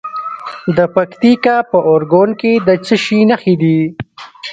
د پکتیکا په اورګون کې د څه شي نښې دي؟